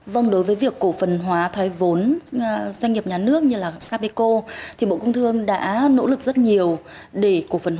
vâng đối với việc cổ phần hóa thói vốn doanh nghiệp nhà nước như là sapeco thì bộ công thương đã nỗ lực rất nhiều